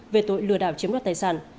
về tội lừa đảo chiếm đoạt tài sản